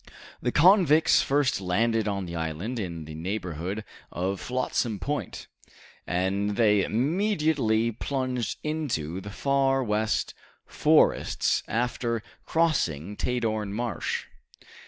"The convicts first landed on the island in the neighborhood of Flotsam Point, and they immediately plunged into the Far West forests, after crossing Tadorn Marsh.